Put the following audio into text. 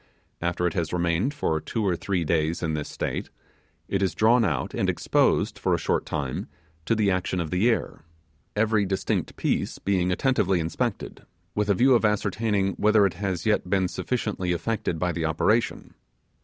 After it has remained for two or three days in this state, it is drawn out, and exposed, for a short time, to the action of the air, every distinct piece being attentively inspected, with a view of ascertaining whether it has yet been sufficiently affected by the operation.